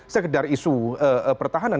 sekedar isu pertahanan